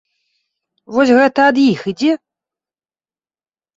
Вось гэта ад іх ідзе.